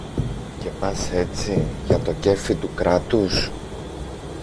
Και πας έτσι, για το κέφι του Κράτους